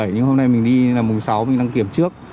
nhưng hôm nay mình đi là mùng sáu mình đăng kiểm trước